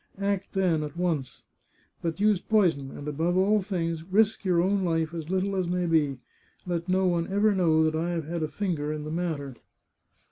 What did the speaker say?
Act then, at once ! But use poison, and, above all things, risk your own life as little as may be. Let no one ever know that I have had a finger in the matter."